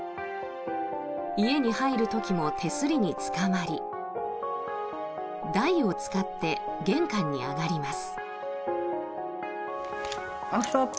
家に入る時も手すりにつかまり台を使って玄関に上がります。